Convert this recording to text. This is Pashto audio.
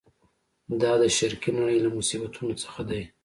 دا د شرقي نړۍ له مصیبتونو څخه دی.